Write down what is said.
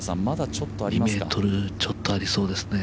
２ｍちょっとありそうですね。